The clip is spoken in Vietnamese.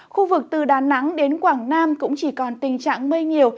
khu vực từ đà nẵng đến quảng nam cũng chỉ còn tình trạng mây nhiều